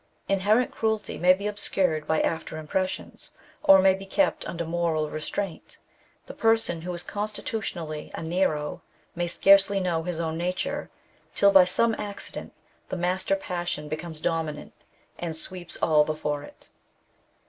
Inherent cruelty may be obscured by after impressions, or may be kept under moral restraint ; the person who is constitution ally a Nero, may scarcely know his own nature, till by some accident the master passion becomes doniinant, and sweeps all before it.